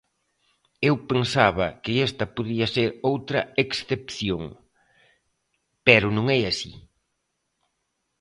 Eu pensaba que esta podía ser outra excepción, pero non é así.